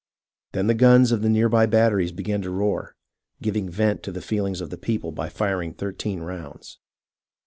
Then the guns of the near by batteries began to roar, giving vent to the feehngs of the people by firing thirteen rounds.